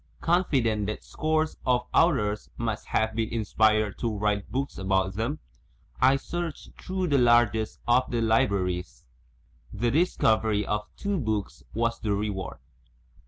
,\GetfiSdent that scores '>> i . i ) of authors must have been inspired to write books about them, I searched through the largest of the libraries. The discovery of two books was the reward.